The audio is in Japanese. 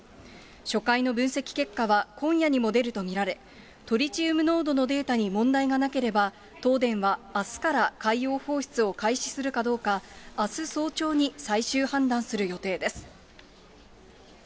初回の分析結果は今夜にも出ると見られ、トリチウム濃度のデータに問題がなければ、東電はあすから海洋放出を開始するかどうか、あす早朝に最終判断する予定です。